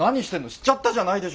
「しちゃった」じゃないでしょ。